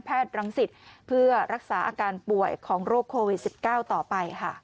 รังสิตเพื่อรักษาอาการป่วยของโรคโควิด๑๙ต่อไปค่ะ